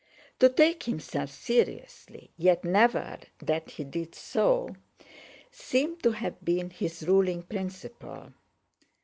To take himself seriously, yet never that he did so, seemed to have been his ruling principle.